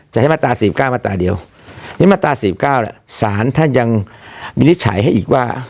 จะให้มาตราสี่สิบเก้ามาตราเดียวนี่มาตราสี่สิบเก้าเนี้ยสารท่านยังมีนิจฉัยให้อีกว่า